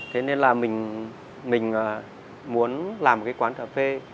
thế nên là mình muốn làm một cái quán cà phê